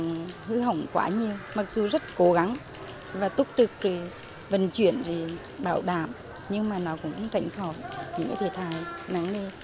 nhưng mà nó cũng cạnh khỏi những cái thể thái nắng lên